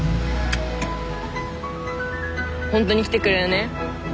本当に来てくれるね？